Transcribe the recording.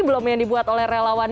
belum yang dibuat oleh relawan